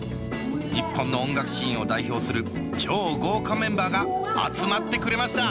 日本の音楽シーンを代表する超豪華メンバーが集まってくれました